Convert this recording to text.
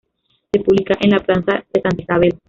Se ubica en la plaza de Santa Isabel.